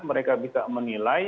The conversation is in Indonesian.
mereka bisa menilai